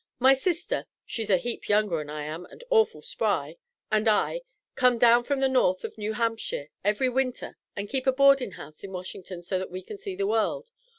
My sister she's a heap younger 'n I am and awful spry and I come down from the north of New Hampshire every winter and keep a boardin' house in Washington so that we can see the world.